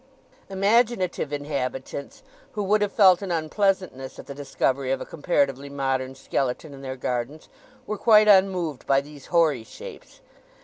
Imaginative inhabitants, who would have felt an unpleasantness at the discovery of a comparatively modern skeleton in their gardens, were quite unmoved by these hoary shapes.